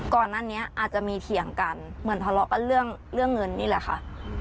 ก่อนหน้านี้อาจจะมีเถียงกันเหมือนทะเลาะกันเรื่องเงินนี่แหละค่ะ